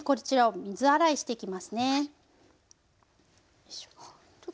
よいしょ。